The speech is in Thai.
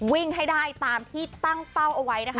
วิ่งให้ได้ตามที่ตั้งเป้าเอาไว้นะคะ